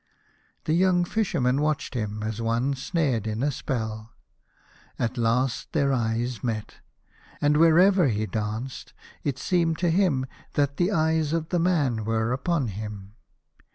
The young Fisherman watched him, as one snared in a spell. At last their eyes met, and wherever he danced it seemed to him that the eyes of the man were upon him.